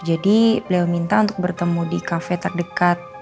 jadi beliau minta untuk bertemu di cafe terdekat